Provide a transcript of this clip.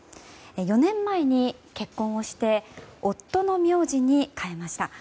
４年前に結婚をして夫の名字に変えました。